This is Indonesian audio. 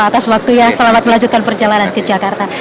selamat waktu ya selamat melanjutkan perjalanan ke jakarta